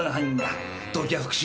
動機は復讐。